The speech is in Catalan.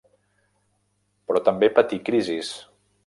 Però també patí crisis.